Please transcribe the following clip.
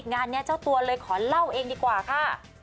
งานนี้เจ้าตัวเลยขอเล่าเองดีกว่าค่ะ